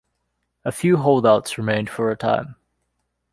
A few holdouts remained for a time.